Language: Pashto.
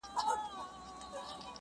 څوك به بولي له آمو تر اباسينه.!